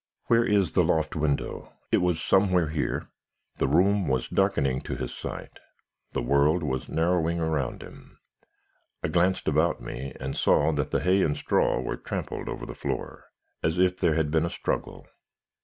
Where is the loft window? It was somewhere here?' "The room was darkening to his sight; the world was narrowing around him. I glanced about me, and saw that the hay and straw were trampled over the floor, as if there had been a struggle.